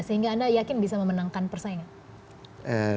sehingga anda yakin bisa memenangkan persaingan